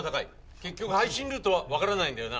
結局配信ルートは分からないんだよな。